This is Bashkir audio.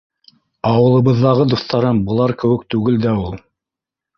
Ауылыбыҙҙағы дуҫтарым былар кеүек түгел дә ул.